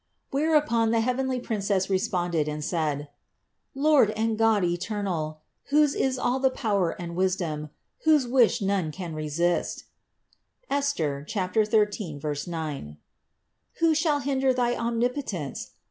Where upon the heavenly Princess responded and said : "Lord and God eternal, whose is all the power and wisdom, whose wish none can resist (Esther 13, 9), who shall hinder thy Omnipotence?